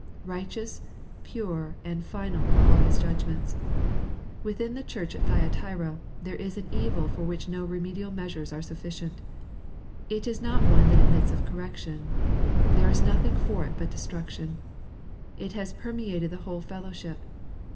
Righteous, pure, and final are all His judgments. Within the church at Thyatira there is an evil for which no remedial measures are sufficient. It is not one that admits of correction. There is nothing for it but destruction. It has permeated the whole fellowship.